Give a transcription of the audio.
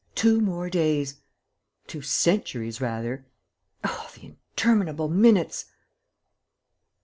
Two more days. ... Two centuries rather! Oh, the interminable minutes!